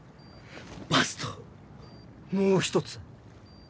バスともう１つ。